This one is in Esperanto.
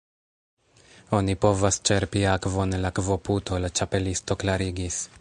"Oni povas ĉerpi akvon el akvoputo," la Ĉapelisto klarigis.